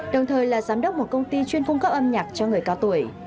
đồng thời là giám đốc một công ty chuyên cung cấp âm nhạc cho người cao tuổi